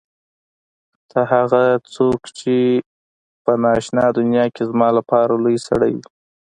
ته هغه څوک چې په نا آشنا دنیا کې زما لپاره لوى سړى وې.